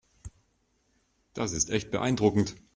Das ist echt beeindruckend.